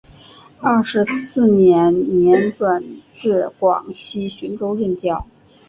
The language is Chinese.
二十四年年转至广西浔州任教。